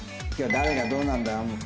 今日は誰がどうなんだ？